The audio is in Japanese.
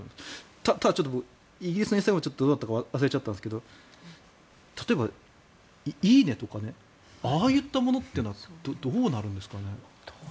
ただ、イギリスかどうか忘れちゃったんですけど例えば、「いいね」とかねああいったものはどうなるんですかね